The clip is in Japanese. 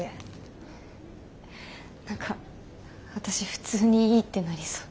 何か私普通にいいってなりそう。